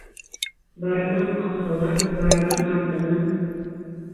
Барабан ҡаҡһалар, барабан артынан